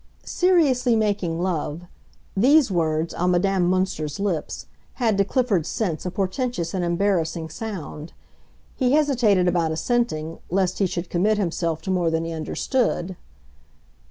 "Seriously making love"—these words, on Madame Münster's lips, had to Clifford's sense a portentous and embarrassing sound; he hesitated about assenting, lest he should commit himself to more than he understood.